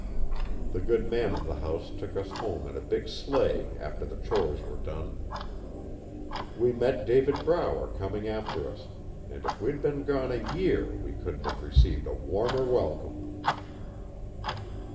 The good man of the house took us home in a big sleigh after the chores were done. We met David Brower coming after us, and if we'd been gone a year we couldn't have received a warmer welcome.